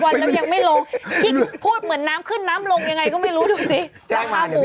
วันแล้วยังไม่ลงที่พูดเหมือนน้ำขึ้นน้ำลงยังไงก็ไม่รู้ดูสิราคาหมู